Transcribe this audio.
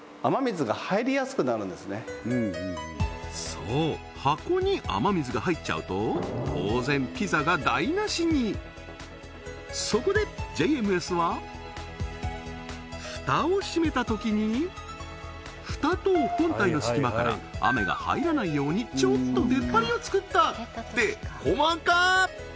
そう箱に雨水が入っちゃうと当然蓋を閉めたときに蓋と本体の隙間から雨が入らないようにちょっと出っ張りを作ったって細かっ！